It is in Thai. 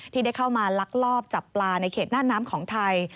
ที่ได้เข้ามาลักลอบจับปลาในเขตหน้าน้ำของไทย